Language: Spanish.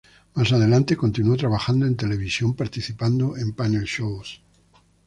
Más adelante continuó trabajando en televisión participando en panel shows.